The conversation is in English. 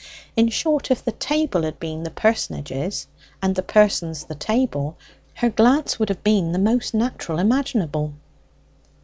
In short, if the table had been the personages, and the persons the table, her glance would have been the most natural imaginable.